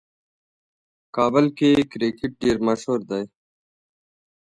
کابل کې کرکټ ډېر مشهور دی.